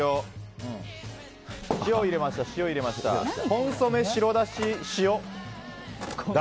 コンソメ、白だし、塩。